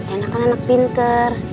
endang endang menter ya